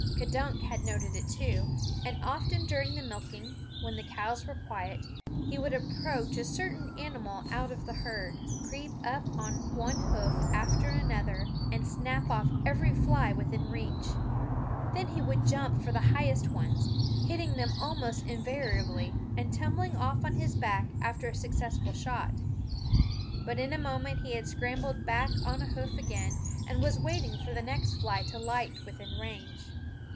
K'dunk had noted it too, and often during the milking, when the cows were quiet, he would approach a certain animal out of the herd, creep up on one hoof after another and snap off every fly within reach. Then he would jump for the highest ones, hitting them almost invariably, and tumble off on his back after a successful shot. But in a moment he had scrambled back on a hoof again and was waiting for the next fly to light within range.